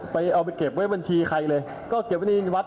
ไปซุกไว้บนเขาขุดดินฝังไว้